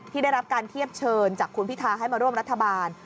ได้รับการเทียบเชิญจากคุณพิทาให้มาร่วมรัฐบาล